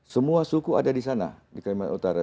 semua suku ada disana di kalimantan utara